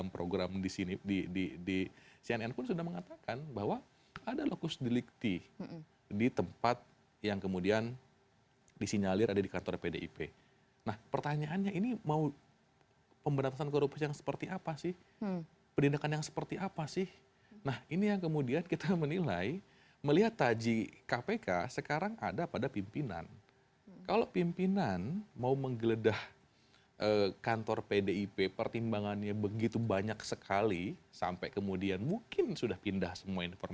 pekan depan akan dilakukan penggeledahan